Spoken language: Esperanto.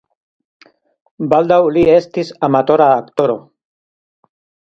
Baldaŭ li estis amatora aktoro.